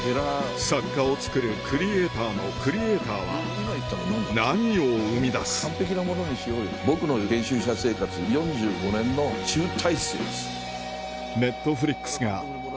作家をつくるクリエイターのクリエイターは何を生み出す僕の編集者生活４５年の集大成です。